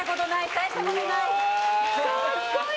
大したことない！